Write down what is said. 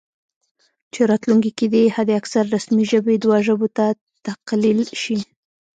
چې راتلونکي کې دې حد اکثر رسمي ژبې دوه ژبو ته تقلیل شي